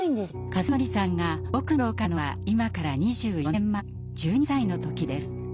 一法さんが「ぼくの心」を書いたのは今から２４年前１２歳の時です。